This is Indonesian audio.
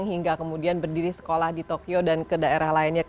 hingga kemudian berdiri sekolah di tokyo dan ke daerah lainnya